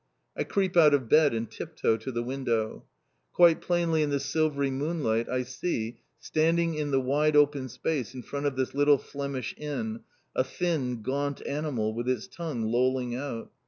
I creep out of bed, and tiptoe to the window. Quite plainly in the silvery moonlight I see, standing in the wide open space in front of this little Flemish Inn, a thin gaunt animal with its tongue lolling out.